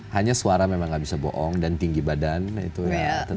hanya suara memang nggak bisa bohong dan tinggi badan itu ya tentu